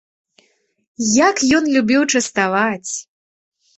Як ён любіў частаваць!